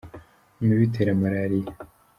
imibu itera marariya